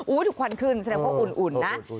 อุ๊ยถูกขวัญขึ้นแสดงว่าอุ่นนะ